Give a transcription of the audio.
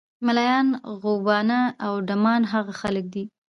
ملایان، غوبانه او ډمان هغه خلک دي.